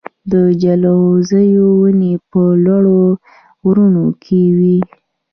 د جلغوزیو ونې په لوړو غرونو کې وي.